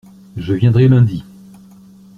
Je viendrai lundi.